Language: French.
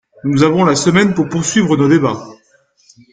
Nous avons la semaine pour poursuivre nos débats.